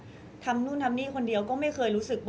มิวยังมีเจ้าหน้าที่ตำรวจอีกหลายคนที่พร้อมจะให้ความยุติธรรมกับมิว